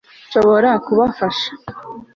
nshobora kubafasha